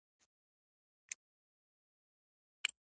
روبوټونه د طب په برخه کې جراحي ترسره کوي.